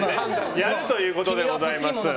やるということでございます。